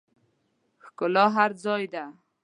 ښکلا هر ځای ده